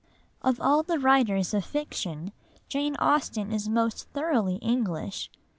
Of all the writers of fiction, Jane Austen is most thoroughly English.